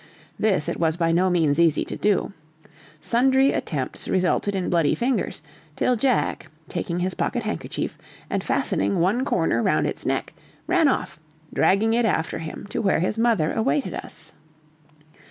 This it was by no means easy to do. Sundry attempts resulted in bloody fingers, till Jack, taking his pocket handkerchief, and fastening one corner round its neck, ran off, dragging it after him to where his mother awaited us.